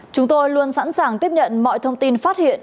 chúng tôi luôn sẵn sàng tiếp nhận mọi thông tin phát hiện